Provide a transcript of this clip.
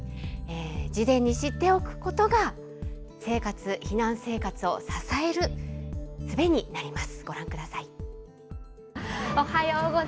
事前に知っておくことが避難生活を支えるすべになります。